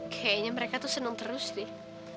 kayaknya mereka tuh seneng terus deh